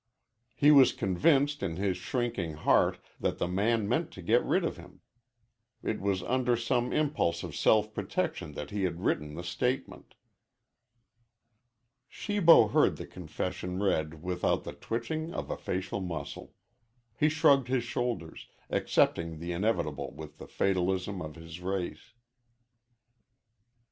He was convinced in his shrinking heart that the man meant to get rid of him. It was under some impulse of self protection that he had written the statement. Shibo heard the confession read without the twitching of a facial muscle. He shrugged his shoulders, accepting the inevitable with the fatalism of his race.